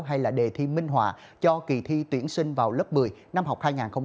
hay là đề thi minh họa cho kỳ thi tuyển sinh vào lớp một mươi năm học hai nghìn hai mươi hai nghìn hai mươi một